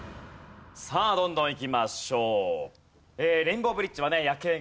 さあどんどんいきましょう。